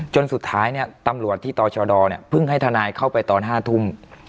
จนสุดท้ายเนี่ยตำรวจที่ต่อชาวดอเนี่ยเพิ่งให้ทานายเข้าไปตอน๕ทุ่ม